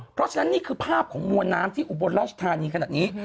เพราะฉะนั้นนี่คือภาพของมวลน้ำที่อุบลราชธานีขนาดนี้